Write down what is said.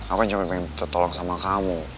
aku cuma pengen tertolong sama kamu